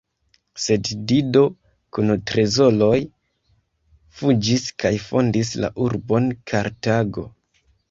Sed Dido kun trezoroj fuĝis kaj fondis la urbon Kartago.